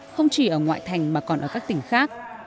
không chỉ ở ngoại thành mà còn ở các tỉnh khác